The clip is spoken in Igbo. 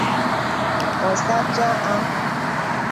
Ọ sachaa ahụ